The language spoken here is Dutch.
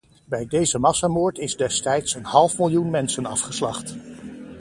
Bij deze massamoord is destijds een half miljoen mensen afgeslacht.